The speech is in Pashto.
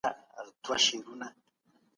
د کوچني دپاره مي په کڅوڼي کي نوي پلمې ولیدلې.